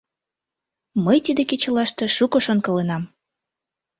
— Мый тиде кечылаште шуко шонкаленам.